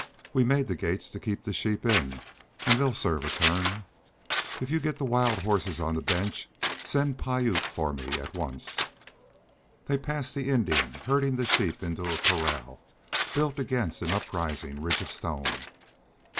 We made the gates to keep the sheep in, and they'll serve a turn. If you get the wild horses on the bench send Piute for me at once." They passed the Indian herding the sheep into a corral built against an uprising ridge of stone.